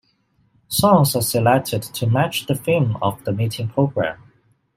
Songs are selected to match the theme of the meeting program.